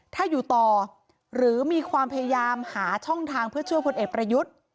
ถ้าอยู่ต่อหรือมีความพยายามหาช่องทางเพื่อช่วยพลเอกประยุทธ์